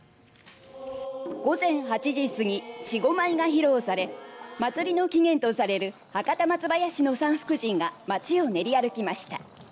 午前８時過ぎ稚児舞が披露され祭りの起源とされる博多松囃子の三福神が街を練り歩きました。